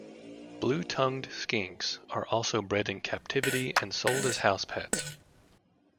Blue-tongued skinks are also bred in captivity and sold as house pets.